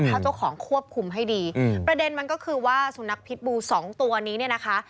ถ้าเจ้าของควบคุมให้ดีอืมประเด็นมันก็คือว่าสุนัขพิษบูสองตัวนี้เนี่ยนะคะ